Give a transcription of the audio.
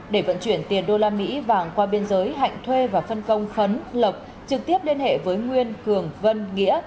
để vận chuyển tiền đô la mỹ vàng qua biên giới hạnh thuê và phân công khấn lộc trực tiếp liên hệ với nguyên cường vân nghĩa